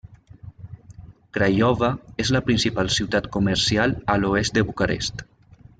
Craiova és la principal ciutat comercial a l'oest de Bucarest.